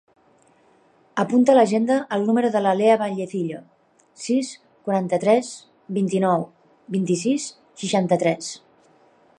Apunta a l'agenda el número de la Lea Vallecillo: sis, quaranta-tres, vint-i-nou, vint-i-sis, seixanta-tres.